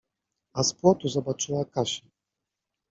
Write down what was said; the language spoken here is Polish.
A z płotu zobaczyła Kasię.